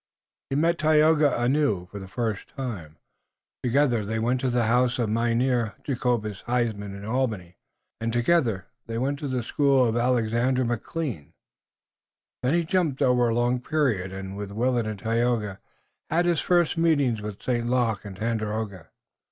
He met Tayoga anew for the first time, together they went to the house of Mynheer Jacobus Huysman in Albany, and together they went to the school of Alexander McLean; then he jumped over a long period and with Willet and Tayoga had his first meeting with St. Luc and Tandakora.